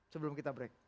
sebelum kita break